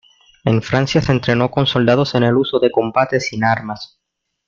En Francia se entrenó con soldados en el uso de combate sin armas.